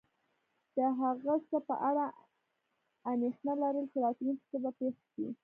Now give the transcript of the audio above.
د هغه څه په اړه انېښنه لرل چی راتلونکي کې به پیښ شې